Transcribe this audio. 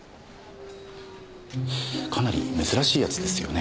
かなり珍しいやつですよね？